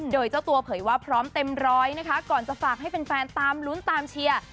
โดยเจ้าตัวเผยว่าพร้อมเต็มร้อยนะคะก่อนจะฝากให้แฟนตามลุ้นตามเชียร์